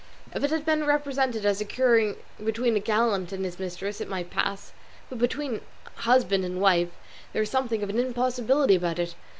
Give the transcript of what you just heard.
If it had been represented as occurring between a gallant and his mistress it might pass; but between husband and wife there is something of an impossibility about it.